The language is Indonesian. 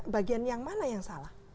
bagian yang mana yang salah